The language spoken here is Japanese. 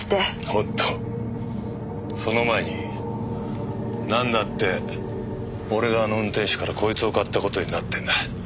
おっとその前になんだって俺があの運転手からこいつを買った事になってんだ？